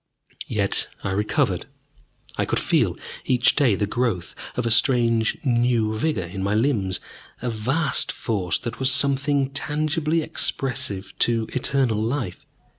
Yet I recovered. I could feel each day the growth of a strange new vigor in my limbs, a vast force that was something tangibly expressive to eternal life.